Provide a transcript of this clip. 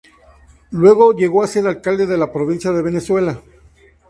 Luego llegó a ser alcalde de la Provincia de Venezuela.